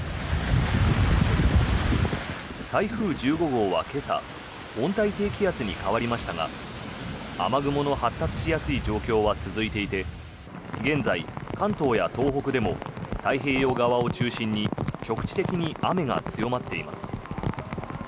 台風１５号は今朝温帯低気圧に変わりましたが雨雲の発達しやすい状況は続いていて現在、関東や東北でも太平洋側を中心に局地的に雨が強まっています。